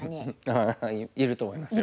ああいると思いますよ。